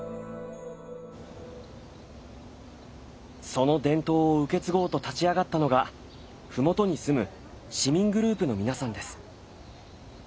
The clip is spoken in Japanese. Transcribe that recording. その伝統を受け継ごうと立ち上がったのが麓に住む市民グループの皆さんです。